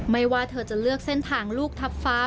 ไม่ว่าเธอจะเลือกเส้นทางลูกทัพฟ้า